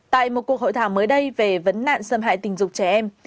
tại một cuộc hội thảo mới đây về vấn nạn xâm hại tình dục trẻ em